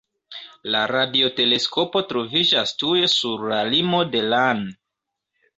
La radioteleskopo troviĝas tuj sur la limo de lan.